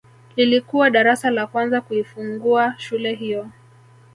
Lilikuwa darasa la kwanza kuifungua shule hiyo